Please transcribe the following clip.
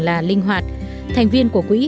là linh hoạt thành viên của quỹ